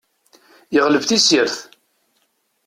Yeɣleb tisirt.